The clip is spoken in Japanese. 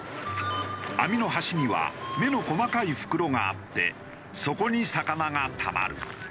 網の端には目の細かい袋があってそこに魚がたまる。